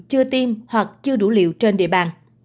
chưa tiêm hoặc chưa đủ liều trên địa bàn